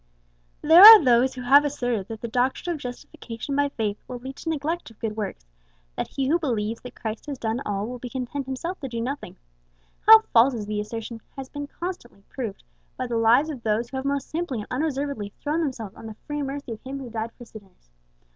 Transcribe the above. There are those who have asserted that the doctrine of Justification by Faith will lead to neglect of good works; that he who believes that Christ has done all, will be content himself to do nothing. How false is the assertion has been constantly proved by the lives of those who have most simply and unreservedly thrown themselves on the free mercy of Him who died for sinners!